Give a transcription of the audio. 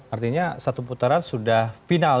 artinya satu putaran sudah final